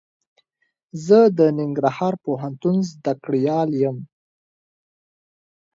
زه د ننګرهار پوهنتون زده کړيال يم.